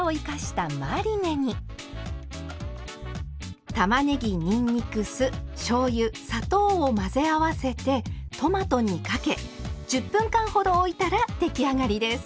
たまねぎにんにく酢しょうゆ砂糖を混ぜ合わせてトマトにかけ１０分間ほどおいたら出来上がりです。